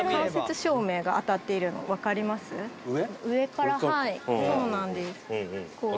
上からそうなんですうん